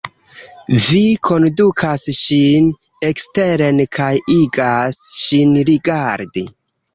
Vi kondukas ŝin eksteren kaj igas ŝin rigardi.